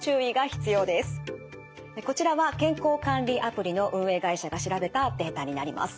こちらは健康管理アプリの運営会社が調べたデータになります。